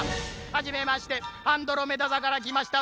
「はじめましてアンドロメダ座からきました